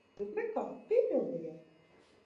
Bet re kā – piepildījās.